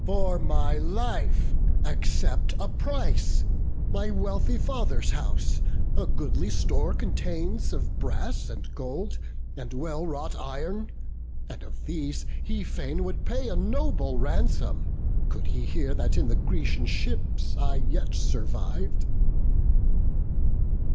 for my life Accept a price; my wealthy father's house A goodly store contains of brass, and gold, And well wrought iron; and of these he fain Would pay a noble ransom, could he hear That in the Grecian ships I yet surviv'd."